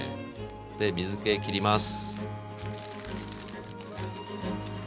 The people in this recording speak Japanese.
で水けきります。